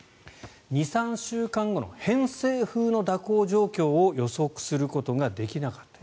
２３週間後の偏西風の蛇行状況を予測することができなかった。